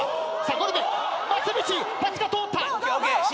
ゴリ部松道パスが通った。